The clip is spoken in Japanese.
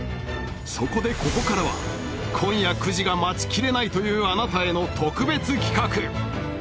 そこでここからは今夜９時が待ちきれないというあなたへの特別企画・